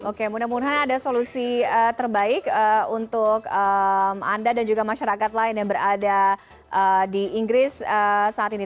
oke mudah mudahan ada solusi terbaik untuk anda dan juga masyarakat lain yang berada di inggris saat ini